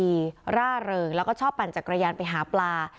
มีวิธีดีร่าเริงและชอบปั่นจักรยานไปหาปลา